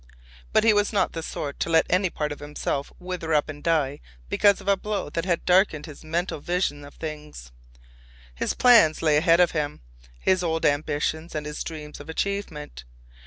But he was not the sort to let any part of himself wither up and die because of a blow that had darkened his mental visions of things. His plans lay ahead of him, his old ambitions and his dreams of achievement.